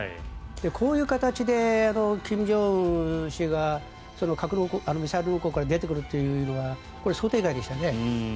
こういう形で金正恩氏が核ミサイルのところから出てくるというのは想定外でしたね。